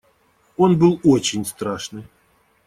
Он был очень страшный.